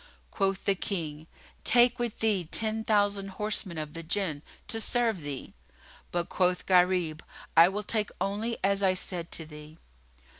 Quoth the King, "Take with thee ten thousand horsemen of the Jinn, to serve thee;" but quoth Gharib, "I will take only as I said to thee."